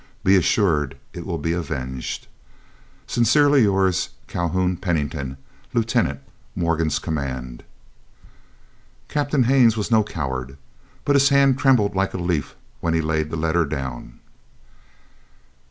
Be assured it will be avenged. Sincerely yours, CALHOUN PENNINGTON, Lieutenant, Morgan's Command. Captain Haines was no coward, but his hand trembled like a leaf when he laid the letter down.